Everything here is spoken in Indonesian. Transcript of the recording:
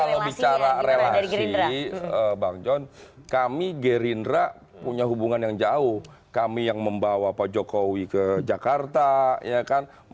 jadi kalau bicara relasi bang john kami gerindra punya hubungan yang jauh kami yang membawa pak jokowi ke jakarta ya kan